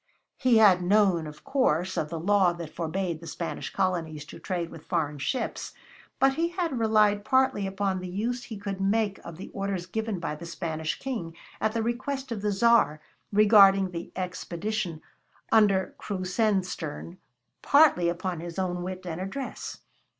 He had known, of course, of the law that forbade the Spanish colonies to trade with foreign ships, but he had relied partly upon the use he could make of the orders given by the Spanish King at the request of the Tsar regarding the expedition under Krusenstern, partly upon his own wit and address.